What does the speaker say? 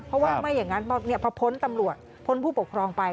เพราะว่าไม่อย่างนั้นพอพ้นตำรวจพ้นผู้ปกครองไป